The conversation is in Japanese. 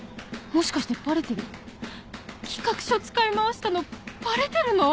もしかしてバレてる？